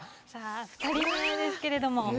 さあ２人目ですけれども。